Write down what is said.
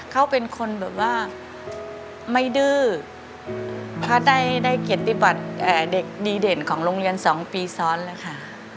เขาเป็นคนแบบว่าไม่ดื้อเพราะได้เกียรติบัติเด็กดีเด่นของโรงเรียน๒ปีซ้อนแล้วค่ะ